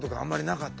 なかった。